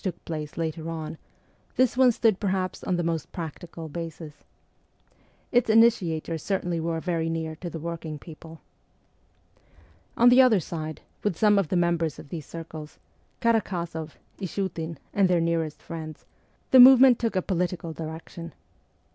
PETERSBURG 35 took place later on, this one stood perhaps on the most practical basis. Its initiators certainly were very near to the working people. On the other side, with some of the members of these circles Karak6zoff, Ishiitin, and their nearest friends the movement took a political direction.